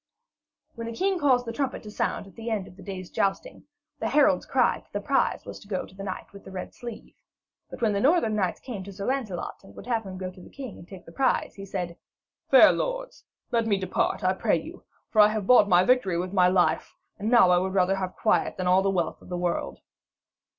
When the king caused the trumpet to sound the end of the day's jousting, the heralds cried that the prize was to go to the knight with the red sleeve. But when the northern knights came to Sir Lancelot and would have him go to the king and take the prize, he said: 'Fair lords, let me depart, I pray you. For I have bought my victory with my life; and now I would rather have quiet than all the wealth of the world.'